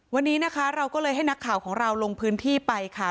วันนี้นะคะเราก็เลยให้นักข่าวของเราลงพื้นที่ไปค่ะ